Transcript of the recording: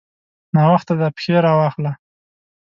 ناوخته دی؛ پښې راواخله.